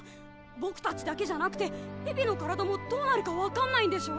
ボクたちだけじゃなくてピピの体もどうなるか分かんないんでしょ？